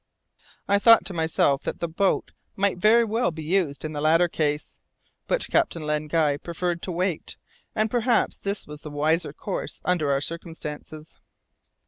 I thought to myself that the boat might very well be used in the latter case. But Captain Len Guy preferred to wait, and perhaps this was the wiser course under our circumstances.